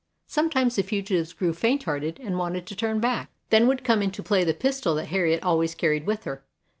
Sometimes the fugitives grew faint hearted and wanted to turn back. Then would come into play the pistol that Harriet always carried with her.